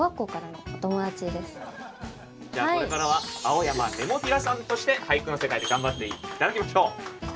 じゃあこれからは青山ネモフィラさんとして俳句の世界で頑張って頂きましょう。